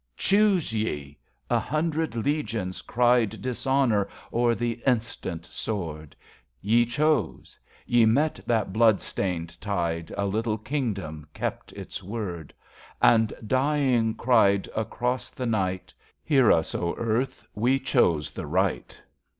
Choose ye ! A hundred legions cried Dishonour, or the instant sword ! Ye chose. Ye met that blood stained tide, A little kingdom kept its word ; And, dying, cried across the night, Hear us, O earth, ive chose the Right.